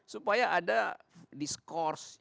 supaya ada discourse